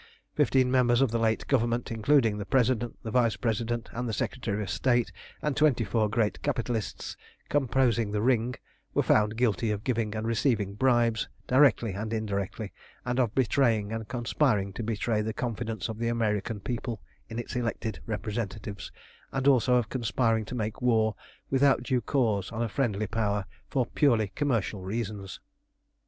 Fifteen members of the late Government, including the President, the Vice President, and the Secretary of State, and twenty four great capitalists composing the Ring, were found guilty of giving and receiving bribes, directly and indirectly, and of betraying and conspiring to betray the confidence of the American people in its elected representatives, and also of conspiring to make war without due cause on a friendly Power for purely commercial reasons.